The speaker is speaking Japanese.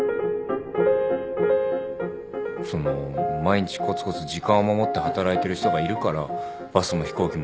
その毎日コツコツ時間を守って働いてる人がいるからバスも飛行機も動くんです。